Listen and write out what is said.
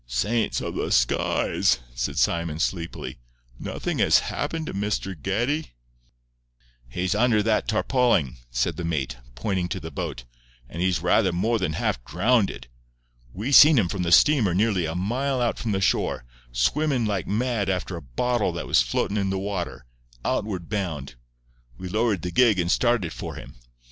"Saints of the skies!" said Simon, sleepily, "nothing has happened to Mr. Geddie?" "He's under that tarpauling," said the mate, pointing to the boat, "and he's rather more than half drownded. We seen him from the steamer nearly a mile out from shore, swimmin' like mad after a bottle that was floatin' in the water, outward bound. We lowered the gig and started for him.